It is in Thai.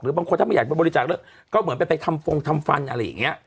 บางคนถ้าไม่อยากไปบริจาคเลือดก็เหมือนไปทำฟงทำฟันอะไรอย่างนี้